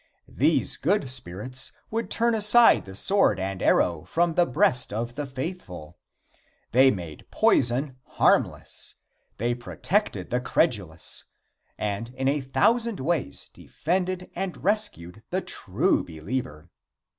These good spirits would turn aside the sword and arrow from the breast of the faithful. They made poison harmless, they protected the credulous, and in a thousand ways defended and rescued the true believer.